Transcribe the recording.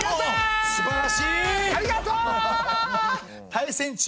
大戦中